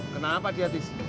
kenapa dia tis